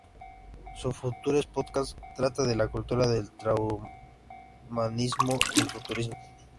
Su "Futures Podcast" trata de la cultura del transhumanismo y el futurismo.